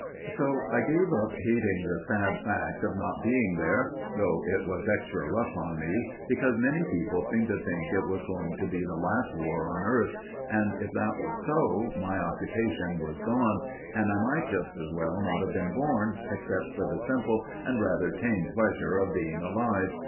So I gave up hating the sad fact of not being there, though it was extra rough on me, because many people seemed to think it was going to be the last war on earth; and if that was so, my occupation was gone, and I might just as well not have been born, except for the simple and rather tame pleasure of being alive.